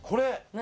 何？